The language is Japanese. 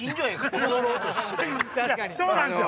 そうなんすよ。